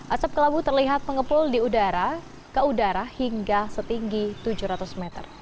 asap kelabu terlihat mengepul di udara ke udara hingga setinggi tujuh ratus meter